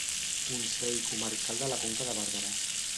Consell Comarcal de la Conca de Barberà.